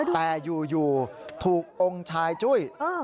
แล้วดูแต่อยู่ถูกองค์ชายจุ้ยอือ